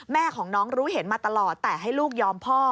แม่ของน้องรู้เห็นมาตลอดแต่ให้ลูกยอมพ่อ